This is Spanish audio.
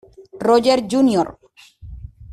Roger Jr.